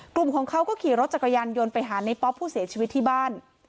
เขาก็ขี่รถจักรยันยนทร์หานัยป๊อปผู้เสียชีวิตที่บ้าน